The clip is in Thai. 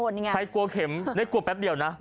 ใช้กัวเข็มได้กลัวแปปเดียวนะ